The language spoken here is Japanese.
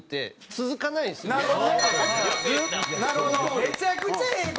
なるほどね。